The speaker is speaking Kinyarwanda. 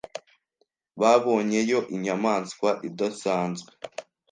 Babonyeyo inyamaswa idasanzwe.